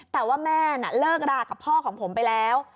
แต่ว่าแม่น่ะเลิกรากับพ่อของผมไปแล้ว